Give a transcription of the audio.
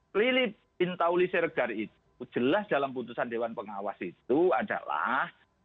kelilip intahulisirgar itu jelas dalam putusan dewan pengawas itu adalah